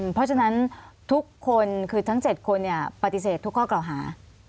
เพราะฉะนั้นทุกคนคือทั้ง๗คนปฏิเสธทุกข้อกล่าวหา